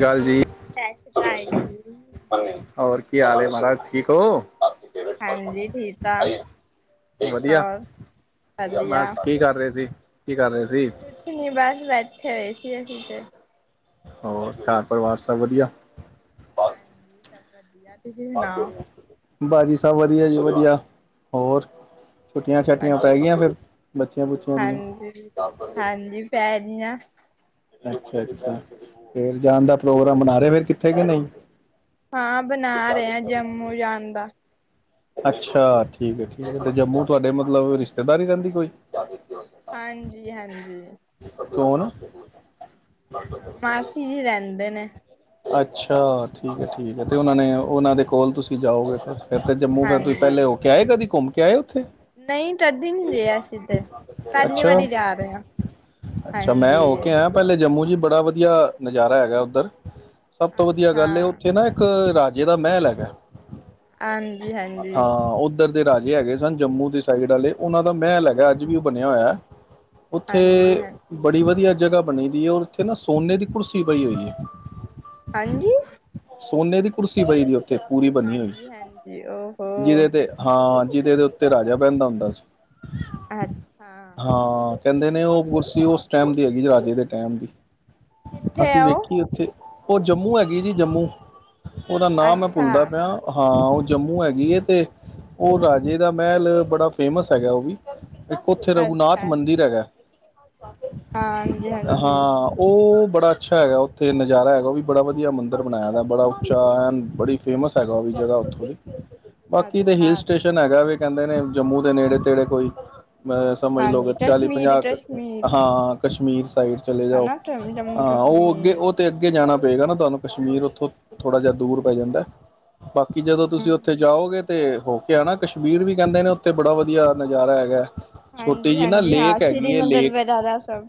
ਅਕਾਲ ਜੀ ਸਤਿ ਸ਼੍ਰੀ ਅਕਾਲ ਜੀ। ਹੋਰ ਕੀ ਹਾਲ ਮਹਾਰਾਜ ਠੀਕ ਹੋ ਹਾਂਜੀ ਠੀਕ ਆ ਵਧੀਆ ਹੋਰ ਵਧੀਆ ਬਸ ਕੀ ਕਰ ਰਹੇ ਸੀ ਕੀ ਕਰ ਰਹੇ ਜੇ ਕੁਛ ਨੀ ਬਸ ਬੈਠੇ ਜੇ ਸੀ ਜੇ ਹੋਰ ਘਰ ਪਰਿਵਾਰ ਸਭ ਵਧੀਆ ਹਾਂਜੀ ਸਭ ਵਧੀਆ ਤੁਸੀਂ ਸੁਣਾਓ ਬਾਰਿਸ਼ ਸਭ ਵਧੀਆ ਜੀ ਵਧੀਆ ਹੋਰ ਛੁੱਟੀਆਂ ਛੁੱਟੀਆਂ ਪੈ ਵਧੀਆ ਗਈਆਂ ਫਿਰ ਬੱਚਿਆਂ ਬੁੱਚਿਆਂ ਦੀਆਂ ਜਆਂ। ਅੱਛਾ, ਅੱਛਾ। ਫੇਰ ਜਾਣ ਦਾ ਪ੍ਰੋਗਰਾਮ ਬਣਾ ਫਿਰ ਕਿੱਥੇ ਕਿ ਨਹੀਂ। ਹਾਂ, ਬਣਾ ਰਿਆ ਜੰਮੂ ਜਾਣ ਦਾ। ਅੱਛਾ ਠੀਕ ਹੈ। ਠੀਕ ਹੈ। ਤੇ ਜੰਮੂ ਤੁਹਾਡੇ ਮਤਲਬ ਰਿਸ਼ਤੇਦਾਰੀ ਰਹਿੰਦੀ ਕੋਈ। ਹਾਂਜੀ ਹਾਂਜੀ ਕੌਣ? ਮਾਸੀ ਜੀ ਰਹਿੰਦੇ। [inaudible] ਅੱਛਾ। ਠੀਕ ਹੈ। ਠੀਕ ਹੈ। ਜਥੇ ਉਹਨਾਂ ਨੇ ਉਹਨਾਂ ਦੇ ਕੋਲ ਤੁਸੀਂ ਕੀ ਜਾਓਗੇ ਤੇ। ਫ ਤੇ ਜੰਮੂ ਫਿਰ ਤੁਹੀ ਹਾਂਜੀ ਪਹਿਲੇ ਹੋ ਕੇ ਆਏ ਕਦੇ। ਘੁੰਮ ਕੇ ਆਏ ਉੱਥੇ। ਨਹੀਂ। ਕਦੀ ਨੀ ਗਏ ਅਸੀਂ ਤੇ ਪਹਿਲੀ ਅੱਛਾ, ਵਾਰੀ ਜਾ ਰਹੇ ਹਾਂ ਅੱਛਾ। ਮੈਂ ਹੋ ਹਾਂਜੀ ਕੇ ਆਇਆ ਪਹਿਲੇ ਜੰਮੂ ਚ ਬੜਾ ਵਧੀਆ ਨਜ਼ਾਰਾ ਹੈਗਾ ਉੱਧਰ। ਸਭ ਤੋਂ ਵਧੀਆ ਅੱਛਾ ਗੱਲ ਉੱਥੇ ਨਾ ਇੱਕ ਰਾਜੇ ਦਾ ਮਹਿਲ ਹੈਗਾ। ਹਾਂਜੀ, ਹਾਂਜੀ। ਇੱਧਰ ਦੇ ਰਾਜੇ ਹੈਗੇ ਸਨ। ਜੰਮੂ ਦੇ ਸਾਈਡ ਵਾਲੇ। ਉਹਨਾਂ ਦਾ ਮਹਿਲ ਹੈਗਾ ਅੱਜ ਵੀ ਉਹ ਬਣਿਆ ਹੋਇਆ। ਹਾਂਜੀ ਉੱਥੇ ਹਾਂ ਬੜੀ ਵਧੀਆ ਜਗਹਾ ਬਣੀ ਦੀ ਹੈ। ਉੱਥੇ ਨਾ ਸੋਨੇ ਦੀ ਕੁਰਸੀ ਪਈ ਹੋਈ ਏ। ਹਾਂਜੀ। ਸੋਨੇ ਦੀ ਕੁਰਸੀ ਪਈ ਦੀਓ। ਥੇ ਪੂਰੀ ਬਣੀ ਹੋਈ ਹਾਂਜੀ, ਹਾਂਜੀ ਓਹੋ ਜਿਹਦੇ ਤੇ ਹਾਂ ਜਿਦੇ ਤੇ ਉੱਤੇ ਰਾਜਾ ਪਹਿੰਦਾ ਹੁੰਦਾ ਸੀ। ਅੱਛਾ। ਹਾਂ ਕਹਿੰਦੇ ਨੇ ਉਹ ਕੁਰਸੀ ਉਸ ਟਾਈਮ ਦੀ ਹੈਗੀ ਰਾਜੇ ਦੇ ਟੈਮ ਦੀ। ਕਿੱਥੇ ਅਸੀਂ ਆ ਉਹ? ਵੇਖੀ ਉੱਥੇ। ਉਹ ਜੰਮੂ ਹੈਗੀ ਜੀ ਜੰਮੂ। ਉਹਦਾ ਨਾਮ ਮੈਂ ਅੱਛਾ, ਭੁੱਲਦਾ ਪਿਆ ਹਾਂ। ਜੰਮੂ ਹੈਗੀ ਹੈ ਤੇ ਉਹ ਰਾਜੇ ਦਾ ਮਹਿਲ ਬੜਾ ਫੇਮਸ ਹੈਗਾ ਉਹ ਵੀ। ਇੱਕ ਉੱਥੇ ਰਘੁਨਾਥ ਅੱਛਾ, ਮੰਦਿਰ ਅੱਛਾ ਹੈਗਾ। ਹਾਂਜੀ, ਹਾਂਜੀ। ਹਾਂ ਉਹ ਬੜਾ ਅੱਛਾ ਹੈਗਾ ਉੱਥੇ ਨਜ਼ਾਰਾ ਹੈਗਾ ਉਹ ਵੀ ਬੜਾ ਵਧੀਆ ਮੰਦਿਰ ਬਣਾਇਆ ਬੜਾ ਉੱਚਾ ਐ ਬੜੀ ਫੇਮਸ ਹੈਗਾ ਉਹ ਵੀ ਜਗ੍ਹਾ ਉੱਥੋਂ ਦੀ ਬਾਕੀ ਤੇ ਹੀਲ ਅੱਛਾ, ਅੱਛਾ ਸਟੇਸ਼ਨ ਹੈਗਾ ਵੀ ਕਹਿੰਦੇ ਜੰਮੂ ਦੇ ਨੇੜੇ ਤੇੜੇ ਕੋਈ ਅ ਸਮਝ ਲੋਓ ਕਿ ਹਾਂਜੀ ਚਾਲੀ ਕਸ਼ਮੀਰ, ਪੰਜਾਹ ਕਸ਼ਮੀਰ ਹਾਂ ਕਸ਼ਮੀਰ ਸਾਈਡ ਚਲੇ ਜਾਓ ਹਨਾ ਜੰਮੂ ਹਾਂ ਉਹ ਅੱਗੇ ਕਸ਼ਮੀਰ। ਉਹ ਤੇ ਅੱਗੇ ਜਾਣਾ ਪਏਗਾ ਨਾ ਤੁਹਾਨੂੰ ਕਸ਼ਮੀਰ ਉੱਥੋਂ ਥੋੜ੍ਹਾ ਜਿਹਾ ਦੂਰ ਪੈ ਜਾਂਦਾ ਬਾਕੀ ਜਦੋਂ ਤੁਸੀਂ ਉੱਥੇ ਹੂੰ, ਜਾਓਗੇ ਤੇ ਓਕੇ ਕਸ਼ਮੀਰ ਵੀ ਕਹਿੰਦੇ ਨੇ ਉੱਥੇ ਬੜਾ ਵਧੀਆ ਨਜ਼ਾਰਾ ਹੈਗਾ ਛੋਟੀ ਹਾਂਜੀ ਜਿਹੀ ਨਾ ਹਾਂਜੀ ਹਾਂ ਲੇਕ ਸ੍ਰੀ ਨੰਦਰ ਵਗੈਰਾ ਸਭ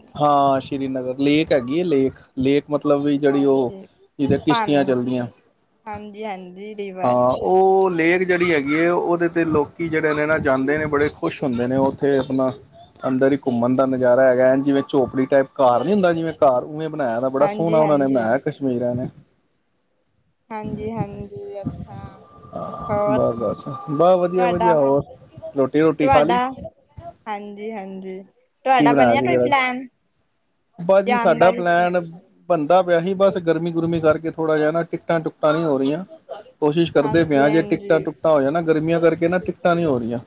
ਸ਼੍ਰੀਨਗਰ ਲੇਕ ਹੈਗੀ ਹੈ ਲੇਕ ਲੇਕ ਮਤਲਬ ਵੀ ਜਿਹੜੀ ਉਹ ਹਾਂਜੀ। ਜਿਹਦੇ ਕਿਸ਼ਤੀਆਂ ਪਾਣੀ ਚੱਲਦੀਆਂ ਹਾਂਜੀ, ਹਾਂਜੀ ਰਿਵਰ ਹਾਂ ਉਹ ਲੇਕ ਜਿਹੜੀ ਹੈਗੀ ਹੈ ਉਹਦੇ ਤੇ ਲੋਕ ਜਿਹੜੇ ਨੇ ਨਾ ਜਾਂਦੇ ਨੇ ਬੜੇ ਕੁਛ ਹੁੰਦੇ ਨੇ ਉੱਥੇ ਆਪਣਾ ਅੰਦਰ ਹੀ ਘੁੰਮਣ ਦਾ ਨਜ਼ਾਰਾ ਹੈਗਾ ਹੈ ਜਿਵੇਂ ਝੋਪੜੀ ਟਾਈਪ ਕਾਰ ਨਹੀਂ ਹੁੰਦਾ ਜਿਵੇਂ ਕਾਰ ਉਵੇਂ ਬਣਾਇਆਾ ਬੜਾ ਸੋਹਣਾ ਹਾਂਜੀ, ਉਹਨਾਂ ਨੇ ਹਾਂਜੀ। ਬਣਾਇਆ ਕਸ਼ਮੀਰ ਆਲਿਆਂ ਨੇ। ਹਾਂਜੀ, ਹਾਂਜੀ ਅੱਛਾ ਹੋਰ ਬਸ- ਬਸ- ਬਸ ਵਧੀਆ- ਤੁਹਾਡਾ, ਵਧੀਆ ਹੋਰ ਰੋਟੀ ਰੁ ਤੁਹਾਡਾ ਹਾਂਜੀ- ਹਾਂਜੀ ਤੇ ਕੀ ਤੁਹਾਡਾ ਬਣਾਇਆ ਬਣਿਆ ਸੀ ਕੋਈ ਫੇਰ ਅੱਜ ਪਲੈਨ ਬਸ ਜੀ ਜਾਂਦਾ ਸਾਡਾ ਜਿੱਥੇ ਪਲੈਨ ਬੰਦਾ ਪਿਆ ਸੀ ਬਸ ਗਰਮੀ-ਗੁਰਮੀ ਕਰਕੇ ਥੋੜਾ ਜਿਹਾ ਨਾ ਟਿਕਟਾਂ ਟੁਕਟਾਂ ਨੀ ਹੋ ਰਹੀਆਂ। ਕੋਸ਼ਿਸ਼ ਕਰਦੇ ਪਏ ਹਾਂਜੀ ਹਾਂ ਜੇ ਹਾਂਜੀ ਟਿਕਟਾਂ ਟੁਕਟਾ ਹੋ ਜਾਣ ਨਾ ਗਰਮੀਆਂ ਕਰਕੇ ਕਹਿੰਦਾ ਟਿਕਟਾਂ ਨੀ ਹੋ ਰਹੀਆਂ।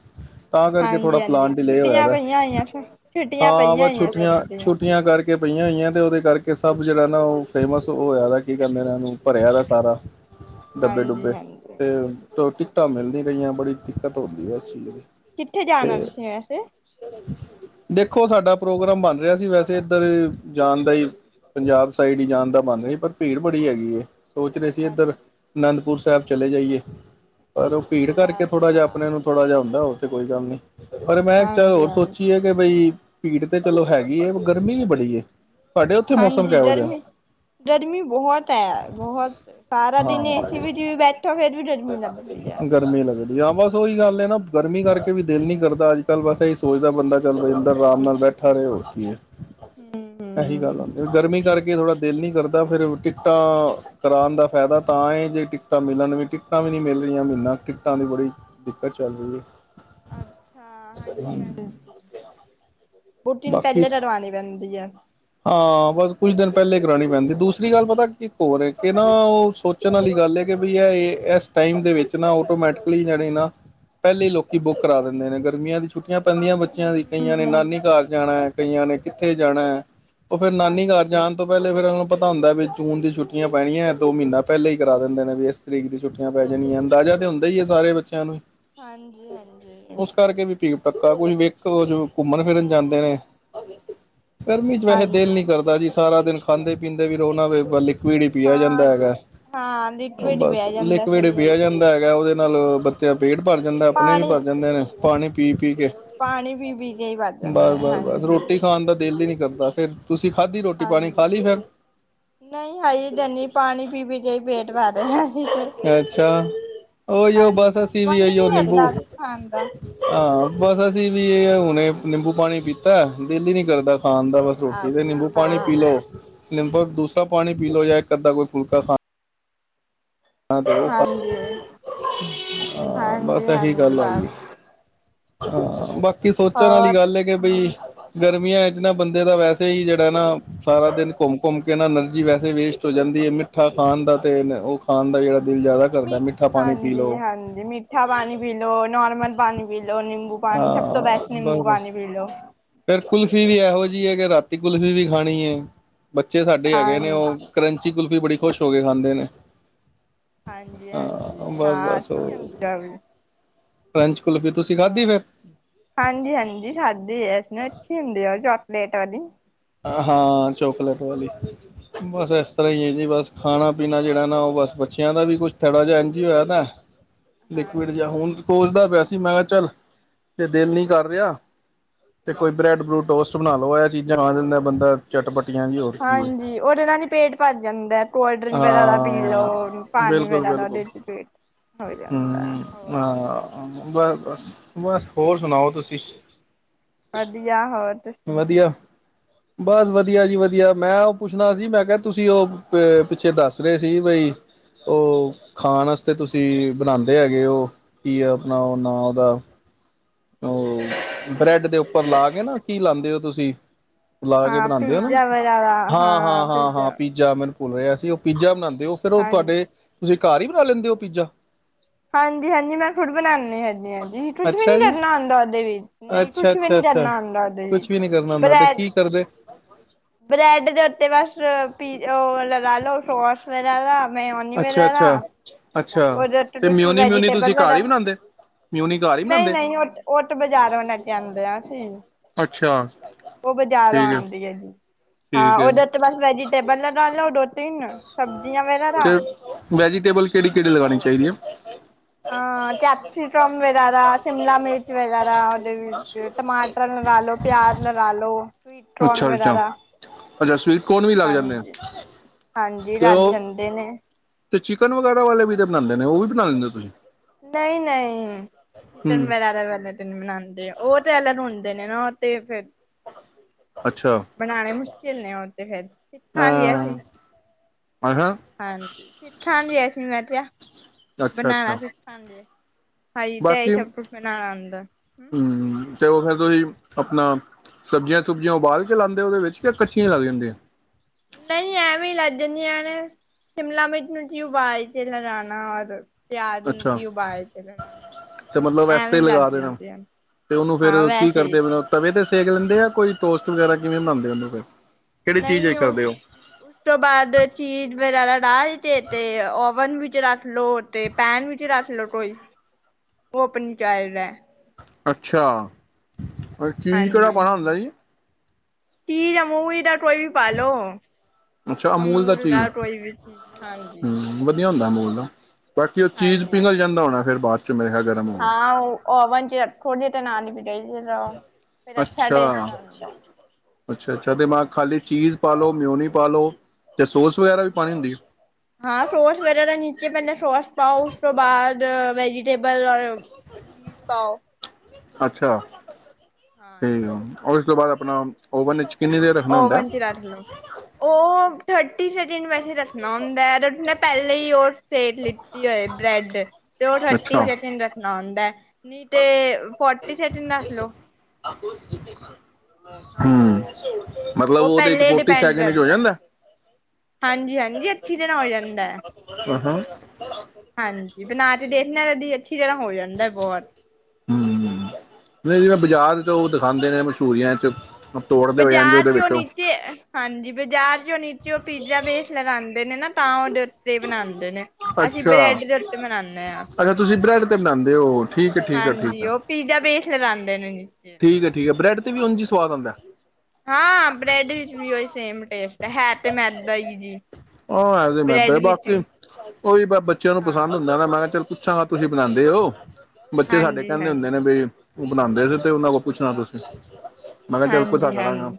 ਤਾਂ ਕਰਕੇ ਥੋੜਾ ਹਾਂਜੀ -ਹਾਂਜੀ ਪਲਾਨ ਡਿਲੇ ਹੋਇਆ ਛੁੱਟੀਆਂ ਦਾ ਪਈਆਂ ਹੋਈਆਂ, ਸ ਛੁੱਟੀਆਂ ਹਾਂ ਪਈਆਂ ਬਸ ਹੋਈਆਂ ਛੁੱਟੀਆਂ ਸਭ ਦੀਆਂ ਛੁੱਟੀਆਂ ਕਰਕੇ ਪਈਆਂ ਹੋਈਆਂ ਤੇ ਉਹਦੇ ਕਰਕੇ ਸਭ ਜਿਹੜਾ ਨਾ ਉਹ ਫੇਮਸ ਹੋਇਆ ਕੀ ਕਹਿੰਦੇ ਨੇ ਉਹਨੂੰ ਭਰਿਆ ਦਾ ਸਾਰਾ ਹਾਂਜੀ ਡੱਬੇ-ਡੁੱਬੇ ਹਾਂਜੀ ਤੇ ਟਿਕਟਾਂ ਮਿਲ ਨੀ ਰਹੀਆਂ ਬੜੀ ਦਿੱਕਤ ਹੁੰਦੀ ਹੈ ਇਸ ਚੀਜ਼ ਦੀ ਕਿੱਥੇ ਜਾਣਾ ਤੇ ਤੁਸੀਂ ਨੇ ਵੈਸੇ ਦੇਖੋ ਸਾਡਾ ਪ੍ਰੋਗਰਾਮ ਬਣ ਰਿਹਾ ਸੀ ਵੈਸੇ ਤੇ ਇੱਧਰ ਜਾਣ ਦਾ ਹੀ ਪੰਜਾਬ ਸਾਈਡ ਹੀ ਜਾਣ ਦਾ ਬਣਦਾ ਸੀ, ਪਰ ਭੀੜ ਬੜੀ ਹੈਗੀ ਸੋਚ ਰਹੇ ਸੀ ਇੱਧਰ ਅਨੰਦਪੁਰ ਸਾ ਸੈਬ ਚਲੇ ਜਾਈਏ। ਪਰ ਉਹ ਭੀੜ ਅੱਛਾ ਕਰਕੇ ਅੱਛਾ ਥੋੜਾ ਜਿਹਾ ਆਪਣਿਆਂ ਨੂੰ ਥੋੜਾ ਜਿਹਾ ਹੁੰਦਾ ਕੋਈ ਗੱਲ ਨਈ। ਪਰ ਮੈਂ ਇੱਕ ਚੱਲ ਹਾਂਜੀ ਹੋਰ ਹਾਂਜੀ ਸੋਚੀ ਹੈ ਕਿ ਬਈ ਭੀੜ ਤੇ ਚਲੋ ਹੈਗੀ ਐ ਗਰਮੀ ਹੀ ਬੜੀ ਏ। ਹਾਂਜੀ ਗਰਮੀ- ਗਰਮੀ ਬਹੁਤ ਐ ਬਹੁਤ ਸਾਰਾ ਦਿਨ ਹਾਂ ਏਸੀ ਵਿਚ ਵੀ ਬੈਠੋ ਫੇਰ ਵੀ ਡਰ ਲੱਗਦੀ ਐ। ਗਰਮੀ ਲੱਗਦੀ ਹਾਂ ਬਸ ਉਹੀ ਗੱਲ ਹੈ ਨਾ ਗਰਮੀ ਕਰਕੇ ਵੀ ਦਿਲ ਨੀ ਕਰਦਾ ਅੱਜ-ਕੱਲ ਬਸ ਇਹੀ ਸੋਚਦਾ ਬੰਦਾ ਚਲ ਰਜਿੰਦਰ ਆਰਾਮ ਹੂੰ ਨਾਲ ਬੈਠਾ ਰਹੇ ਹੋਰ ਕੀ ਏ। ਇਹੀ ਹੂੰ ਗੱਲ ਆਂਦੀ ਗਰਮੀ ਕਰਕੇ ਥੋੜਾ ਦਿਲ ਨਹੀਂ ਕਰਦਾ ਫਿਰ ਟਿਕਟਾਂ ਕਰਾਣ ਦਾ ਫਾਇਦਾ ਤਾਂ ਜੇ ਟਿਕਟਾਂ ਮਿਲਣ ਵੀ ਟਿਕ ਟਿਕਟਾਂ ਵੀ ਨਹੀਂ ਮਿਲ ਰਹੀਆਂ ਮਹੀਨਾ ਟਿਕਟਾਂ ਦੀ ਬੜੀ ਦਿੱਕਤ ਚੱਲ ਰਹੀ ਐ। ਅੱਛਾ, ਹਾਂਜੀ-ਹਾਂਜੀ ਬੁਕਿੰਗ ਬਾਕੀ ਪਹਿਲੇ ਕਰਵਾਣੀ ਪੈਂਦੀ ਐ। ਹਾਂ ਬਸ ਕੁਝ ਦਿਨ ਪਹਿਲੇ ਕਰਾਣੀ ਪੈਂਦੀ ਦੂਸਰੀ ਗੱਲ ਪਤਾ ਇੱਕ ਹੋਰ ਹੈ ਕਿ ਨਾ ਉਹ ਸੋਚਣ ਵਾਲੀ ਗੱਲ ਹੈ, ਕਿ ਬ ਇਹ ਇਸ ਟਾਈਮ ਦੇ ਵਿੱਚ ਨਾ ਆਟੋਮੈਟਿਕਲੀ ਜਣੀ ਨਾ ਪਹਿਲੇ ਲੋਕੀ ਬੁੱਕ ਕਰਾ ਦਿੰਦੇ ਨੇ ਗਰਮੀਆਂ ਦੀ ਛੁੱ ਛੁਟੀਆਂ ਪੈਂਦੀਆਂ ਬੱਚਿਆਂ ਦੀਆਂ ਕਈਆਂ ਨੇ ਹੂੰ ਨਾਨੀ ਘਰ ਜਾਣਾ ਹੈ ਕਈਆਂ ਨੇ ਕਿੱਥੇ ਜਾਣੈ? ਉਹ ਫੇਰ ਨਾਨੀ ਘਰ, ਹਾਂਜੀ ਜਾਣ ਤੋਂ ਪਹਿਲੇ ਫੇਰ ਪਤਾ ਹੁੰਦਾ ਵੀ, ਜੂਨ ਦੀ ਛੁੱਟ ਪੈਣੀਆਂ ਦੋ ਮਹੀਨਾ ਪਹਿਲਾਂ ਹੀ ਕਰਾ ਦਿੰਦੇ ਨੇ, ਵੀ ਇਸ ਤਰੀਕ ਦੀ ਛੁੱਟੀਆਂ ਪੈ ਜਾਣੀਆਂ, ਅੰਦਾਜ਼ਾ ਤੇ ਹੁੰਦਾ ਹੀ ਹੈ ਸਾਰੇ ਬੱਚਿਆਂ ਨੂੰ। ਹਾਂਜੀ, ਹਾਂਜੀ। ਪੱਕਾ, ਕੁਝ ਵੇਖੋ ਘੁੰਮਣ ਫਿਰਨ ਜਾਂਦੇ ਨੇ ਗਰਮੀ ਚ ਬ ਹੈ ਹਾਂਜੀ ਦਿਲ ਨੀ ਕਰਦਾ ਜੀ। ਸਾਰਾ ਦਿਨ ਖਾਂਦੇ ਪੀਂਦੇ ਵੀ ਰੋਣਾ ਵ ਲਿਕਵਿੜ ਪਿਆ ਹਾਂ ਜਾਂਦਾ ਹੈਗਾ, ਹਾਂ ਲਿਟਵੇ ਡ ਬਸ ਬਹਿ ਜਾਂਦਾ ਲਿਕਵਿਡ ਪਿਆ ਸਰੀਰ ਜਾਂਦਾ ਹੈਗਾ। ਉਹਦੇ ਨਾਲ ਬਤਿਆ ਪੇਟ ਭਰ ਜਾਂਦਾ, ਆਪਣੇ ਵੀ ਪਾਣੀ ਭਰ ਜਾਂਦੇ ਨੇ। ਪਾਣੀ ਪੀ ਕੀ ਕੇ, ਪਾਣੀ ਪੀ ਪੀ ਕੇ ਹੀ ਵੱਧ ਜਾਂਦਾ ਬਸ -ਬਸ, ਬਸ ਹਾਂਜੀ ਰੋਟੀ ਖਾਣ ਦਾ ਦਿਲ ਹੀ ਨਹੀਂ ਕਰਦਾ। ਤਾਂ ਫਿਰ ਤੁਸੀਂ ਖਾਧੀ ਰੋਟੀ ਪਾਣੀ ਹਾਂਜੀ, ਖਾ ਲਈ ਫਿਰ ਨਹੀਂ ਹ ਡਨੀ ਪਾਣੀ ਪੀ ਪੀ ਕੇਈ ਪੇਟ ਭ ਹਾਂ ਅੱਛਾ ਉਹੀਓ ਬਸ ਅਸੀਂ ਵੀ ਮਨ ਹੀ ਉਹੀਓ ਨੀ ਨਿੰਬੂ ਲੱਗਦਾ ਖਾਣ ਦਾ ਹਾਂ ਬਸ ਅਸੀਂ [unintelligible] ਵੀ ਇਹ ਹੁਣੇ ਨਿੰਬੂ ਪਾਣੀ ਪੀਤੈ, ਦਿਲ ਹੀ ਨੀ ਕਰਦਾ ਖਾਣ ਦਾ। ਹਾਂ ਇਹਦੇ ਨਿੰਬੂ ਪਾਣੀ ਪੀ ਲਓ। ਲਿੰਬਰ ਦੂਸਰਾ ਪਾਣੀ ਪੀ ਲੋਓ, ਜਾਂ ਇੱਕ ਅੱਧਾ ਕੋਈ ਫੁਲਕਾ ਖਾਣਾ। ਤੇ ਉਹ ਹਾਂ ਹਾਂਜੀ ਬਸ ਹਾਂਜੀ ਇਹੀ ਹਾਂਜੀ ਗੱਲ ਆਗੀਈ ਬਸ ਹਾਂ, ਬਾਕ ਕੀ ਸੋਚਣ ਆਲੀ ਹੋਰ ਗੱਲ ਏ, ਕਿ ਬਈ ਗਰਮੀਆਂ ਇਚ ਨਾ ਬੰਦੇ ਦਾ ਵੈਸੇ ਈ ਜੇੜਾ ਨਾ, ਸਾਰਾ ਦਿਨ ਘੁੰਮ -ਘੁੰਮ ਕੇ ਨਾ ਐਨਰਜੀ ਵੈਸੇ ਵੇਸਟ ਹੋ ਜਾਂਦੀ ਏ। ਮਿੱਠਾ ਖਾਣ ਦਾ ਤੇਣ ਓ ਆਂਦੈ ਜੇੜਾ ਮੀ ਹਾਂਜੀ ਹਾਂਜੀ, ਮਿੱਠਾ ਪਾਣੀ ਪੀ ਲੋ, ਨੋਰਮਲ ਪਾਣੀ ਪੀ ਲੋੋ, ਨਿੰਬੂ ਪਾਣੀ ਸਭ ਤੋਂ ਹਾਂ ਬੈਸਟ ਬਸ ਨਿੰਬੂ ਪਾਣੀ ਪੀ ਲੋੋ। ਫੇਰ ਕੁਲਫੀ ਵੀ ਐਹੋ ਜੀ ਏ ਕਿ, ਰਾਤੀ ਕੁਲਫ਼ੀ ਵੀ ਖਾਣੀ ਏ। ਬੱਚੇ ਸਾਡੇ ਹੈਗੇ ਨੇ, ਓਹ ਹਾਂਜੀ ਕਰੰਚੀ ਕੁਲਫ਼ੀ ਬੜੀ ਖੋਸ਼ ਹੋ ਕੇ ਖਾਂਦੇ ਨੇ। ਹਾਂਜੀ ਹਾਂ ਹਾਂਜੀ, ਹਾਂ ਅੱਛੀ ਅੰਦਜਾਵੀ ਪੰੰਚ ਹਾਂ, ਹਾਂਜੀ -ਹਾਂਜੀ ਖਾਦੀ ਏ ਏਸਨੇ। ਖੀਂਦੇ ਐ ਜਾ ਅਪਲੇਟਾ ਦੀ। ਅ ਹਾਂ, ਚੋਕਲੇਟ ਵਾਲੀ ਬਸ ਏਸ ਤਰ੍ਹਾਂ ਈ ਏ ਜੀ, ਬਸ ਖਾਣਾ ਪੀਣਾ ਜੇੜਾ ਨਾ ਓਹ, ਬਸ ਬੱਚਿਆਂ ਦਾ ਵੀ ਕੁਛ ਥੋੜਾ ਜਾ ਏੰਝ ਈ ਹੋਯੈ ਦੈ। ਲਿਕਵਿਡ ਜਾਂ ਹਾਂਜੀ ਹੁਣ ਸੋਚਦਾ ਪਿਆ ਸੀ ਮੈਂ ਕਿਆ ਚੱਲ ਤੇ ਦਿਲ ਨੀ ਕਰ ਰਿਆ, ਤੇ ਕੋਈ ਬਰੈਡ ਬਰੂਡ ਟੋਸਟ ਬਣਾ ਲੋ, ਐ ਚੀਜ਼ਾਂ ਆਣ ਐ ਬੰਦਾ ਚਟਪੱਟ ਹਾਂਜੀ, ਔਦੇ ਨਾਂ ਦੀ ਪੇਟ ਭਰ ਜਾਂਦੈ, ਕੋਲਡ ਡਰਿੰਕ ਵਗੈਰਾ ਪੀ ਲਓ, ਹਾਂ ਪਾਣੀ ਬਿਲਕੁਲ ਵਗੈਰਾ ਬਿਲਕੁਲ ਓਦੇ ਚ ਪੇਟ ਹੋ ਜਾਂਦੈ। ਹਮ ਹੋਰ ਹਾਂ ਬਸ ਬਸ ਬਸ ਹੋਰ ਸੁਣਾਓ ਤੁਸੀਂ। ਵਧੀਆ, ਹੋਰ ਤੁਸੀ ਸੁਣਾਓ। ਵਧੀਆ ਬਸ ਵਧੀਆ ਜੀ ਵਧੀਆ, ਮੈਂ ਔ ਪੁੱਛਣਾ ਸੀ ਮੈਂ ਕਿਆ ਤੁਸੀਂ ਓਹ ਪਿੱਛੇ ਦੱਸ ਰੇ ਸੀ ਬਈ ਓਹ ਖਾਣ ਅਸਤੇ ਤੁਸੀਂ ਬਣਾਂਦੇ ਹੈਗੇ ਔ, ਕੀ ਔ ਅਪਣਾ ਔ ਨਾਂ ਔਦਾ? ਓਹ ਬ੍ਰੈਡ ਦੇ ਉੱਪਰ ਲਾ ਕੇ ਨਾ ਕੀ ਲਾਂਦੇ ਔ। ਤੁਸੀਂ। ਲਾ ਕੇ ਹਾਂ ਬਣਾਂਦੇ ਔ ਨਾ, ਪੀਜ਼ਾ ਵਗੈਰਾ ਹਾਂ ਹਾਂ ਹਾਂ ਹਾਂ ਪੀਜ਼ਾ ਮੈਨ ਭੁਲ ਰਿਆ ਸੀ ਔ ਪੀਜਾ ਬਣਾਂਦੇ ਤੇ ਔ ਫੇਰ ਔ ਹਾਂਜੀ ਤੁਹਾਡੇ ਤੁਸੀਂ ਘਰ ਈ ਬਣਾ ਲੈਂਦੇ ਔ ਪੀਜ਼ਾ। ਹਾਂਜੀ ਹਾਂਜੀ, ਮੈਂ ਖੁਦ ਬਣਾਂਦੀ ਹਾਂਜੀ ਹਾਂਜੀ, ਕੁਛ ਵੀ ਨੀ ਅੱਛਾ ਜੀ ਕਰਨਾ। ਅਮਦਾ ਦੇ ਵਿੱਚ ਨਹੀਂ ਅੱਛਾ ਕੁਛ ਵੀ ਅੱਛਾ ਨੀ ਅੱਛਾ ਕਰਣਾ ਹੂੰਦਾ ਓਦੇ ਕੁਛ ਵੀ ਵਿੱਚ ਨਹੀਂ ਕਰਨਾ ਹੁੰਦਾ ਤੇ ਬਰੈਡ ਕੀ ਕਰਦੇ ਬ੍ਰੈਡ ਦੇ ਉੱਤੇ ਬਸ ਪੀ ਓ ਅਲਗ ਲਾਲੋ ਸੋਸ ਵੇਲਾ ਲਾ ਮੇਔਨੀ ਅੱਛਾ ਵਗੈਰਾ ਅੱਛਾ ਅੱਛਾ ਓਦੇ ਉਤੇ ਤੇ ਤੁਚੀ ਮਿਊਨੀ ਮਿਊਨੀ ਵੈਜੀਟੇਬਲ ਤੁਸੀਂ ਘਰ ਵਗੈਰ, ਹੀ ਬਣਾਉਂਦੇ ਮਿਊਨੀ ਘਰ ਹੀ ਨਹੀਂ ਬਣਾਉਂਦੇ ਨਹੀਂ ਔ ਤਾਂ ਬਜ਼ਾਰੋ ਲੈਕੇ ਆਂਦੇ ਆਂ ਅਸੀ। ਅੱਛਾ ਉਹ ਬਾਜ਼ਾਰ ਆਦੀ ਹੈ ਜੀ [unintelligible] ਹਾਂ ਠੀਕ ਹੈ ਉਹਦੇ ਉੱਤੇ ਬਸ ਵੈਜੀਟੇਬਲ ਲਗਾ ਲੋ ਤੇ ਵੈਜੀਟੇਬਲ ਕਿਹੜੀ ਕਿਹੜੀ ਲਗਾਉਣੀ ਚਾਹੀਦੀ ਹੈ। ਅ ਕੈਪਸੀਕਮ ਵਗੈਰਾ ਸ਼ਿਮਲਾ ਮਿਰਚ ਵਗੈਰਾ ਉਹਦੇ ਵਿੱਚ ਟਮਾਟਰ ਲਗਾ ਲੋ ਪਿਆਜ ਲਗਾ ਲੋ। ਸਵੀਟ ਕੌਨ ਅੱਛਾ ਅੱਛਾ ਵਗੈਰਾ। ਅੱਛਾ ਸਵੀਟ ਕੋਰਨ ਵੀ ਲੱਗ ਜਾਂਦੇ ਆ ਹਾਂਜੀ ਹਾਂਜੀ ਤੇ ਲੱਗ ਉਹ ਜਾਂਦੇ ਨੇ। ਤੇ ਚਿਕਨ ਵਗੈਰਾ ਵਾਲੇ ਵੀ ਤੇ ਬਣਾਉਂਦੇ ਨੇ ਉਹ ਵੀ ਬਣਾ ਲੈਂਦੇ ਹੋ ਤੁਸੀਂ ਨਹੀਂ ਨਹੀਂ ਚਿਕਨ ਹਮ ਵਗੈਰਾ ਵਾਲੇ ਬਨਾਉਂਦੇ ਉਹ ਤੇਹਿਲ ਓ ਤੇ ਫੇਰ ਅੱਛਾ ਬਣਾਉਣੇ ਮੁਸ਼ਕਿਲ ਨੇ ਉਹ ਤੇ ਫਿਰ ਹਾਂਜੀ ਅਸੀਂ ਹਾਂ ਹਾਂ ਹਾਂਜੀ, ਹਾਂਜੀ ਐਸੀ ਬੈਠੇ ਆ, ਅੱਛਾ ਬਣਾਣਾ ਅੱਛਾ ਸੁਖਾ [unintelligible] ਫਾਈ ਤੇ ਐ ਬਾਕੀ ਸਬਦ ਚਲਾਣਾ ਆਦਾ, ਹਮ ਤੇ ਉਹ ਫਿਰ ਤੁਸੀਂ ਆਪਣਾ ਸਬਜ਼ੀਆਂ ਸੁਬਜ਼ੀਆਂ ਉਬਾਲ ਕੇ ਲਾਂਦੇ ਉਹਦੇ ਵਿੱਚ ਕਿ ਕੱਚੀਆਂ ਈ ਲਾ ਲੈਦੇ ਔ। ਨਹੀਂ ਐਵੇਂ ਲੱਜਦੀਆਂ ਨੇ ਸ਼ਿਮਲਾ ਮਿਰਚ ਨੂੰ ਤੁਸੀ ਉਬਾਲ ਕੇ ਲਗਾਣਾ ਔਰ, ਦ ਅੱਛਾ ਉਬਾਲ ਚ ਲੈਣਾ ਤੇ ਮਤਲਬ ਇਸ ਤੇ ਐਵੇਂ ਲੱਗ ਲਗਾ ਦੇਣਾ ਜਾਂਦੀ ਤੇ ਉਹਨੂੰ ਫੇਰ ਹਾਂ ਕੀ ਵੈਸੇ ਹੀ। ਕਰਦੇ ਮਤਲਬ ਤਵੇ ਤੇ ਸੇਕ ਦਿੰਦੇ ਆ ਕੋਈ ਟੋਸਟ ਵਗੈਰਾ ਕਿਵੇਂ ਬਨਦੇ ਹੁੰਦੇ ਫਿਰ, ਕਿਹੜੀ ਚੀਜ਼ ਨਹੀਂ ਵਿੱਚ ਕਰਦੇ ਹੋ ਉਸ-ਉਸ ਤੋਂ ਬਾਅਦ ਚੀਜ਼ ਵਗੈਰਾ ਡਾਲ ਦਿੱਤੇ ਤੇ ਓਵਨ ਵਿੱਚ ਵਿੱਚ ਰੱਖ ਲੋੋ ਤੇ ਪੈਨ ਵਿੱਚ ਰੱਖ ਲੋੋ ਕੋਈ ਉਹ ਆਪਾ ਨੰ ਚਾਹੀਦਾ। ਅੱਛਾ, ਚੀਜ ਕਿਹੜਾ ਪਾਣਾ ਹੁੰਦਾ ਜੀ। ਤੀ ਦਾ ਮੁਹ ਈ ਦਾ, ਕੋਈ ਵੀ ਪਾਲੋ ਅੱਛਾ ਅਮੂਲ ਆਮੂਲ ਚੀਜ਼ ਦਾ ਕੋਈ ਵੀ ਚੀਜ਼ ਹਾਂਜੀ, ਨਹੀਂ ਹੁੰਦਾ ਮੂਲ ਦਾ, ਬਾਕੀ ਉਹ ਚੀਜ਼ ਹਾਂਜੀ ਪਿੰਘਲ ਹਾਂਜੀ ਜਾਂਦਾ ਹੋਣਾ ਫ਼ਿਰ ਬਾਅਦ ਚ, ਚ ਮੇਰੇ ਖਿਆਲ ਗਰਮ ਹੋਗਿਆ। ਹਾਂ ਉਹ ਓਵਨ ਚ ਥੋੜੀ ਜਿਹਾ ਆਉਂਦਾ ਅੱਛਾ-ਅੱਛਾ-ਅੱਛਾ ਤੇ ਮੈਂ ਕਿਹਾ ਹਾਂਜੀ ਖਾਲੀ ਚੀਜ਼। ਪਾ ਲੋ ਮਿਉਨੀ ਪਾਲੋ ਤੇ ਸੋਸ ਵਗੈਰਾ ਵੀ ਪਾਣੀ ਹੁੰਦੀ ਐ। ਹਾਂ ਸੋਸ ਵਗੈਰਾ ਨੀਚੇ ਪਹਿ ਸੋਸ ਪਾਓ ਉਸ ਤੋਂ ਬਾਅਦ ਵੈਜੀਟੇਬਲ ਔ ਚੀਜ਼ ਪਾਓ। ਅੱਛਾ ਠੀਕ ਆ ਹਾਂਜੀ ਔਰ ਇਸ ਤੋਂ ਬਾਅਦ, ਆਪਣਾ ਓਵਨ ਵਿੱਚ ਕਿੰਨੀ ਦੇਰ ਰੱਖਣਾ ਹੁੰਦਾ ਓਵਨ ਚ ਰੱਖ ਦਿਓ ਔ ਤੁ ਥਰਟੀ ਸਿਕਸ ਵੈਸੇ ਰੱਖਣਾ ਹੁੰਦਾ ਪਹਿਲੇ ਹੀ ਉਹ ਸੇਕ ਲਿੱਤੀ ਹੋਏ ਬ੍ਰੈਡ ਤੇ ਉਹ ਥਰਟੀ ਅੱਛਾ ਸੈਕਿੰਡ ਰੱਖਣਾ ਹੁੰਦਾ। ਦਾ, ਨੀ ਤੇ ਫੋਰਟੀ ਸੈਕਿੰਡ ਰੱਖ ਲੋ। [unintelligible] ਹਾਂ ਹਮ ਮਤਲਬ ਉਹ ਉਹਦੇ ਚ ਪਹਿਲੇ ਫੋਰਟੀ ਡਿਪੈਂਡ ਸੈਕਿੰਡ ਵਿੱਚ ਹੋ ਕਰਦਾ ਜਾਂਦਾ ਹਾਂਜੀ-ਹਾਂਜੀ ਅੱਛੀ ਤਰਾ ਹੋ ਜਾਂਦਾ ਹੈ। [unintelligible] ਹਾਂਜੀ ਬਣਾ ਕੇ ਦੇਖਦੇ ਉਦੇ ਵਿੱਚ ਜਿਹੜਾ ਹੋ ਜਾਂਦਾ ਹੈ ਬਹੁਤ ਹਮ ਨਹੀਂ ਮੈਂ ਬਾਜ਼ਾਰ ਤੋਂ ਉਹ ਦਿਖਾਉਂਦਾ ਮਸ਼ਹੂਰੀਆਂ 'ਚ ਤੋੜਦੇ ਹੋਏ ਐਂਜ ਬਾਜ਼ਾਰ ਉਹਦੇ ਚੋਂ ਵਿੱਚੋਂ ਨੀਚੇ, ਹਾਂਜੀ ਬਾਜ਼ਾਰ ਚੋਂ ਨੀਚੇ ਉਹ ਪੀਜ਼ਾ ਵੇਸ ਲਉਂ ਦੇਨ ਨਾ ਤਾਂ ਉਹ ਰੱਤੇ ਬਣਾਉਂਦੇ ਨੇ, ਅਸੀਂ ਅੱਛਾ, ਬ੍ਰੈਡ ਦੇ ਓਤੇ ਬਨਾਉਦੇ ਹਾਂ। ਬਨਾਂਦੇ ਓ, ਉਹ ਹਾਂਜੀ, ਉਹ ਪੀਜ਼ਾ ਬੇਸ ਕਿਥ ਲਉਂਦੇ ਨੇ ਜੀ ਠੀਕ ਹੈ, ਠੀਕ ਹੈ, ਬ੍ਰੈਡ ਵੀ ਉਝ ਹੀ ਸਵਾਦ ਆਉਂਦਾ? ਹਾਂ ਬ੍ਰੈਡ ਵਿੱਚ ਵੀ ਓਹੀ ਸੇਮ ਟੇਸਟ ਹੈ, ਹੈ ਤੇ ਮੈਦਾ ਹੀ ਜੀ। ਉਹ ਐ ਜ ਮੈਦਾ, ਬ੍ਰੈਡ ਵਿੱਚ ਬਾਕੀ ਵੀ ਉਹ ਵੀ ਬੱਚਿਆਂ ਨੂੰ ਹਾਂ ਪਸੰਦ ਹੁੰਦਾ ਨਾ। ਮੈਂ ਚਿਰ ਪੁੱਛਾਂ ਵ, ਤੁਸੀਂ ਬਨਾਂਦੇ ਓ? ਬੱਚੇ ਸਾਡੇ ਹਾਂਜੀ ਕਹਿੰਦੇ ਹਾਂਜੀ ਹੁੰਦੇ ਨੇ, ਹਾਂਜੀ ਬਈ ਉਹ ਬਣਾਉਂਦੇ ਸੀ ਤੇ, ਉਹਨਾਂ ਕੋਲ ਪੁੱਛਣਾ ਤੁਸੀਂ। ਮੈਂ ਕਿਹਾ ਚੱਲ ਪਤਾ ਕਰਾਂਗਾ, ਹਾਂਜੀ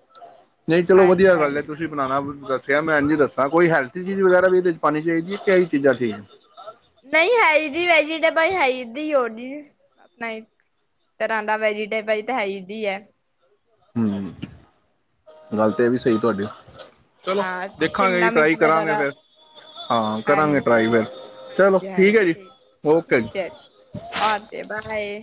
ਨਹੀਂ ਚਲੋ ਹਾਂਜੀ ਵਧੀਆ ਗੱਲ ਹੈ। ਹਾਂਜੀ ਤੁਸੀਂ ਬਣਾਉਣਾ ਦ ਦਿਆ ਮੈਂ ਅੰਜੀ ਦੱਸਾਂ ਕੋਈ ਹੈਲਥ ਚੀਜ਼ ਵਗੈਰਾ ਵੀ ਇਹਦੇ ਚ ਪਾਣੀ ਚਾਹੀਦੀ, ਕਿ, ਇਹੀ ਚੀਜ਼ਾਂ ਠੀਕ ਨੇ? ਭਾਈ, ਹੈ ਜੀ ਆਪਣਾ ਤਰ੍ਹਾਂ ਦਾ ਵੈਜੀਟ ਭਾਈ ਤਾਂ ਹੈਦੀ ਹੈ। ਹਮ ਗੱਲ ਤੇ ਇਹ ਵੀ, ਸਹੀ ਤੁਹਾਡੇ। ਹ ਸ਼ਿਮਲਾ ਮਿਰਚ ਕਰਾਂਗੇ ਵਗੈਰਾ ਫਿਰ ਹਾਂ ਕਰਾਂਗੇ ਹਾਂਜੀ, ਟਰਾਈ ਫਿਰ ਚਲੋ ਹਾਂਜੀ, ਹੈ ਹਾਂਜੀ। ਜੀ ਠੀਕ, ਓਕੇ ਜੀ ਠੀਕ ਹੈ ਰ। ਆਕੇ ਬਾਏ